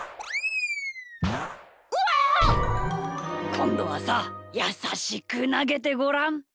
こんどはさやさしくなげてごらん。